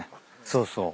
そうそう。